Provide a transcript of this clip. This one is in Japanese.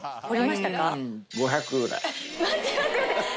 待って待って待って！